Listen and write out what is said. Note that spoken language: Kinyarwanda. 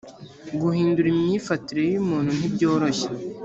guhindura imyifatire y umuntu ntibyoroshye